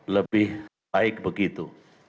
lebih baik begitu